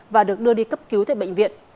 và được đưa đi cấp cứu tại bệnh viện